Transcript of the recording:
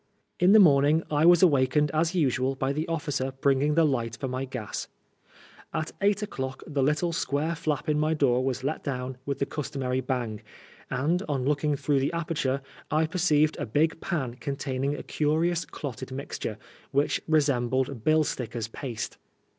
In the morning I was awakened as usual by the officer bringing the light for my gas. At eight o'clock 109 the little square flap in my door was let down with the customary bang, and, on looking through the aperture, I perceived a big pan containing a curious clotted mix tore, which resembled bill stickers' paste.